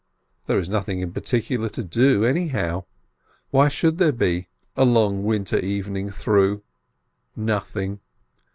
There is nothing in particular to do, anyhow. What should there be, a long winter even ing through? Nothing!